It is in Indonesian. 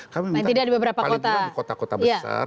kami minta paling tidak di kota kota besar